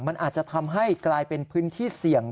มันอาจจะทำให้กลายเป็นพื้นที่เสี่ยง